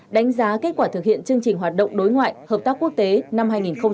đánh giá kết quả thực hiện chương trình hoạt động đối ngoại hợp tác quốc tế năm hai nghìn một mươi chín